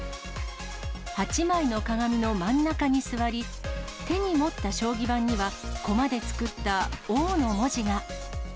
８枚の鏡の真ん中に座り、手に持った将棋盤には、駒で作った王の文字が。